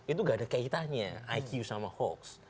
itu gak ada kaitannya iq sama hoax